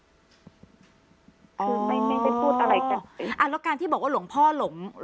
คือไม่ไม่ได้พูดอะไรกันอ่าแล้วการที่บอกว่าหลวงพ่อหลง